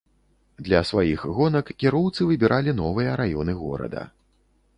Для сваіх гонак кіроўцы выбіралі новыя раёны горада.